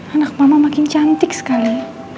anak mama makin cantik sekali